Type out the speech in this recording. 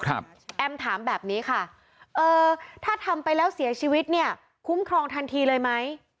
แอมถามแบบนี้ค่ะเออถ้าทำไปแล้วเสียชีวิตเนี่ยคุ้มครองทันทีเลยไหม